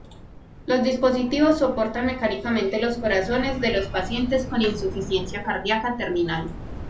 Los dispositivos soportan mecánicamente los corazones de los pacientes con insuficiencia cardíaca terminal.